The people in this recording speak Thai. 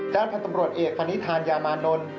ด้านพันธบรวจเอกฟันนิษฐานยามานนท์